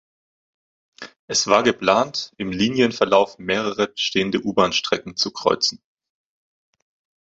Es war geplant, im Linienverlauf mehrere bestehende U-Bahn-Strecken zu kreuzen.